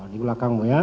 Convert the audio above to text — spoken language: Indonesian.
di belakangmu ya